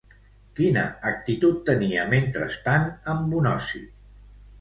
Quina actitud tenia mentrestant en Bonosi?